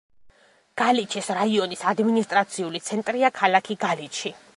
გალიჩის რაიონის ადმინისტრაციული ცენტრია ქალაქი გალიჩი.